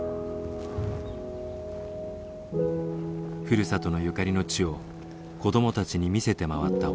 ふるさとのゆかりの地を子どもたちに見せて回った大沼さん。